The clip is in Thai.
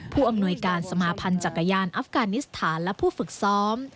ผู้อำนวยการสมาพันธ์จักรยานอัฟกานิสถานและผู้ฝึกซ้อม